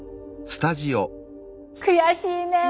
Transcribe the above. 悔しいね！